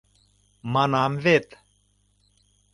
— Манам вет.